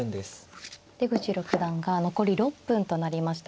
出口六段が残り６分となりました。